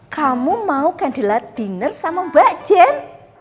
kamu mau kandilat dinner sama mbak jen